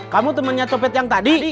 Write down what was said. kamu temannya copet yang tadi